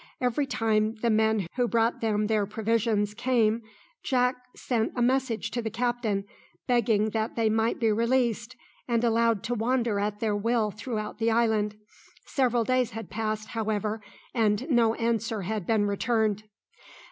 Every time the men who brought them their provisions came Jack sent a message to the captain, begging that they might be released, and allowed to wander at their will throughout the island. Several days had passed, however, and no answer had been returned.